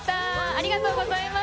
ありがとうございます。